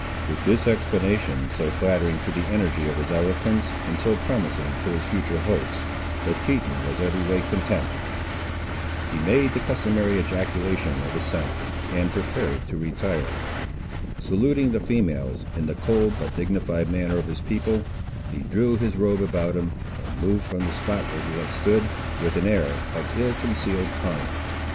With this explanation, so flattering to the energy of his eloquence, and so promising to his future hopes, the Teton was every way content. He made the customary ejaculation of assent, and prepared to retire. Saluting the females, in the cold but dignified manner of his people, he drew his robe about him, and moved from the spot where he had stood, with an air of ill concealed triumph.